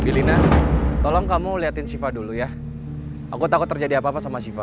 belina tolong kamu liatin syifa dulu ya aku takut terjadi apa apa sama syifa